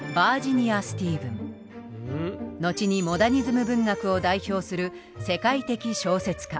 後にモダニズム文学を代表する世界的小説家